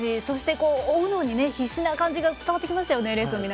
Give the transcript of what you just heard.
そして、追うのに必死な感じが伝わってきましたよね。